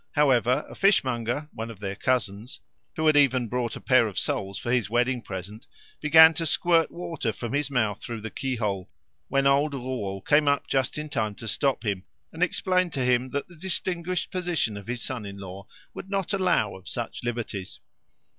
However, a fishmonger, one of their cousins (who had even brought a pair of soles for his wedding present), began to squirt water from his mouth through the keyhole, when old Rouault came up just in time to stop him, and explain to him that the distinguished position of his son in law would not allow of such liberties.